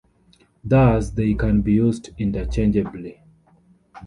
Thus, they can be used interchangeably.